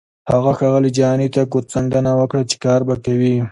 هغه ښاغلي جهاني ته کوتڅنډنه وکړه چې کار به کوي.